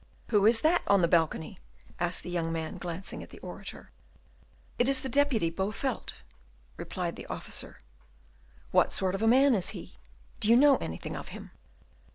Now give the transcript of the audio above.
"Who is that on the balcony?" asked the young man, glancing at the orator. "It is the Deputy Bowelt," replied the officer. "What sort of a man is he? Do you know anything of him?"